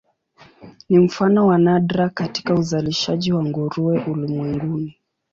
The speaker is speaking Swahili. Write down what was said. Ni mfano wa nadra katika uzalishaji wa nguruwe ulimwenguni.